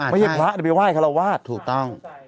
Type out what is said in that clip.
ไม่ใช่พระแต่ไปไหว้คาราวาสถูกต้อง